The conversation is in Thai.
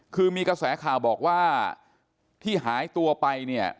คือมีกระแสข่าวบอกว่าที่หายตัวไปเนี่ย